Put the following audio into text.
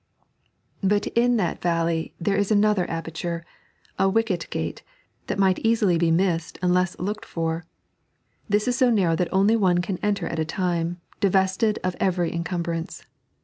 But in that valley there is another aperture — a Wicket Oate, that might easily be missed unless looked for ; this is so narrow that only one can enter at a time, divest«d of every encumbrance.